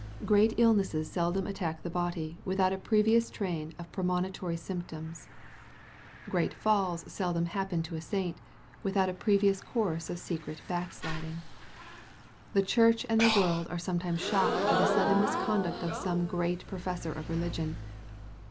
[Great illnesses seldom attack the body, with out a previous train of premonitory symptoms. Great MATTHEW, CHAP. XXVI. 377 falls seldomha^en to a saint, without a previous course of secret backsliding. The church and the world are some* times shocked by the sudden misconduct of some great professor of religion.